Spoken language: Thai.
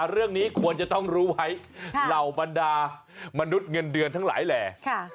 เรื่องนี้ควรจะต้องรู้ไว้เหล่าบรรดามนุษย์เงินเดือนทั้งหลายแหล่